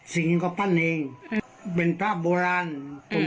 สิงห์ก็ปั้นเองอืมเป็นพระโบราณอืม